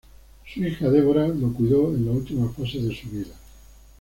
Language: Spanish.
Su hija Deborah lo cuidó en la última fase de su vida.